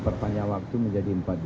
perpanjangan waktu menjadi empat dua